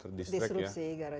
ter disrupt sih gara gara krisis